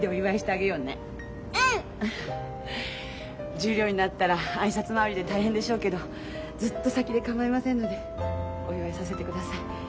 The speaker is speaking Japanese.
十両になったら挨拶回りで大変でしょうけどずっと先で構いませんのでお祝いさせてください。